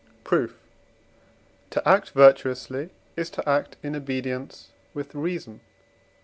Proof. To act virtuously is to act in obedience with reason (IV.